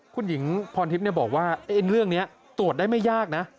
คุณหญิงพรทิพย์บอกว่าเรื่องนี้ตรวจได้ไม่ยากนะ